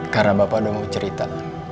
karena bapak udah mau cerita